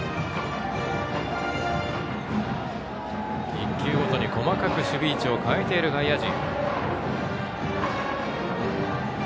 １球ごとに細かく守備位置を変えている外野陣。